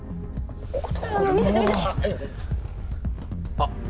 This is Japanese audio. あっ。